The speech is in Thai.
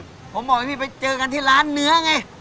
ผมบอกให้พี่ไปเจอกันที่ร้านเนื้อไง